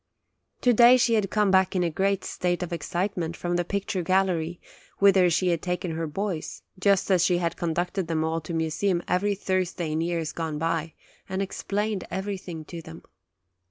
To day she had come back in a great state of ex citement, from the picture gallery, whither she had taken her boys, just as she had conducted them all to a museum every Thursday in years gone by, and ex plained everything to them.